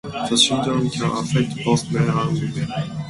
The syndrome can affect both men and women.